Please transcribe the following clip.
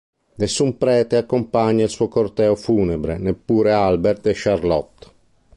Nessun prete accompagna il suo corteo funebre, neppure Albert e Charlotte.